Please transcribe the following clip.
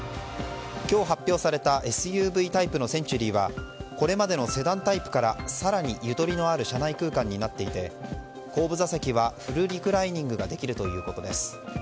今日発表されたＳＵＶタイプのセンチュリーはこれまでのセダンタイプから更にゆとりのある車内空間になっていて後部座席はフルリクライニングができるということです。